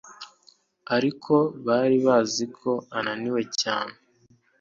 Ariko bari bazi ko ananiwe cyane,